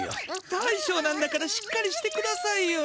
大将なんだからしっかりしてくださいよ。